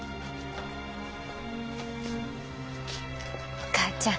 お母ちゃん。